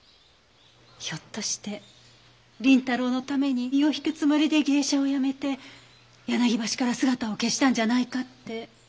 ひょっとして麟太郎のために身を引くつもりで芸者をやめて柳橋から姿を消したんじゃないかって。